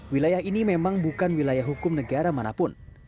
wilayah ini memang bukan wilayah hukum negara manapun